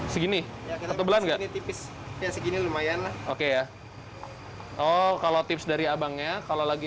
segini atau belanja tipis ya segini lumayan oke ya oh kalau tips dari abangnya kalau lagi